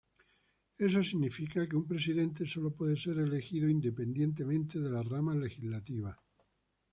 Eso significa que un presidente solo puede ser elegido independientemente de la rama legislativa.